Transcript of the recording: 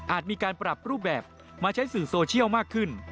มีการปรับรูปแบบมาใช้สื่อโซเชียลมากขึ้น